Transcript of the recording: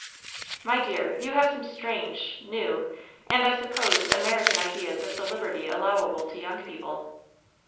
'' "My dear, you have some strange, new, and, I sup pose, American ideas of the liberty allowable to young people.